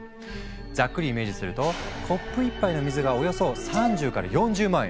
ざっくりイメージするとコップ１杯の水がおよそ３０から４０万円！